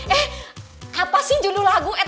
eh apa sih judul lagu